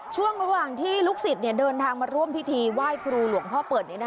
ช่วงระหว่างที่ลูกศิษย์เดินทางมาร่วมพิธีไหว้ครูหลวงพ่อเปิด